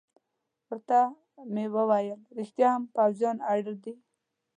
ورته مې وویل: رښتیا هم، پوځیان اړ دي.